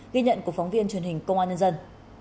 ghi nhận của phóng viên truyền hình công an nhân dân